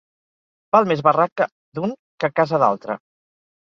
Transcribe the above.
Val més barraca d'un que casa d'altre.